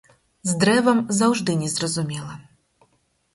З дрэвам заўжды незразумела.